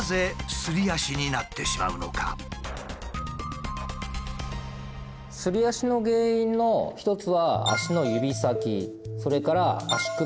すり足の原因の一つは足の指先それから足首部分